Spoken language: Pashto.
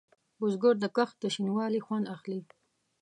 بزګر د کښت د شین والي خوند اخلي